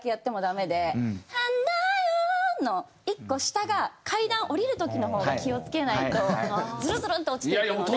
「華よ」の１個下が階段降りる時の方が気を付けないとズルズルッと落ちていくので。